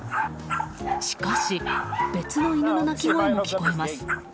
しかし、別の犬の鳴き声も聞こえます。